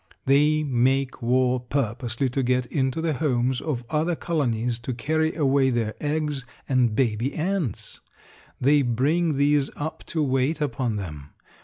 They make war purposely to get into the homes of other colonies to carry away their eggs and baby ants. They bring these up to wait upon them.